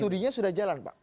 studinya sudah jalan pak